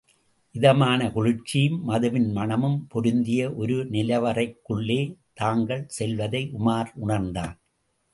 இதமான குளிர்ச்சியும், மதுவின் மணமும் பொருந்திய ஒரு நிலவறைக் குள்ளே தாங்கள் செல்வதை உமார் உணர்ந்தான்.